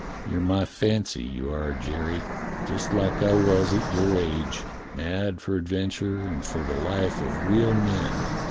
You're my fancy, you are, Jerry. Just like I was at your age. Mad for adventure and for the life of real men."